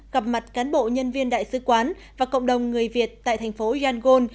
gặp mặt cán bộ nhân viên đại sứ quán và cộng đồng người việt tại thành phố yangon